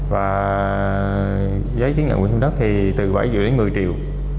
và giấy chứng nhận quyền sử dụng đất thì từ bảy triệu đến một mươi triệu